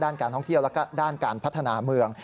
การท่องเที่ยวและด้านการพัฒนาเมือง